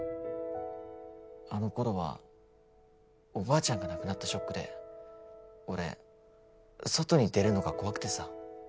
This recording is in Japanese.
あの頃はおばあちゃんが亡くなったショックで俺外に出るのが怖くてさ。